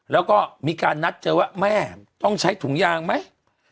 แล้วก็มีการนัดเจอว่าแม่ต้องใช้ถุงยางไหม